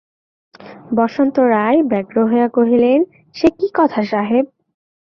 বসন্ত রায় ব্যগ্র হইয়া কহিলেন, সে কী কথা সাহেব?